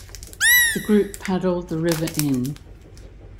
The group paddled the River Inn.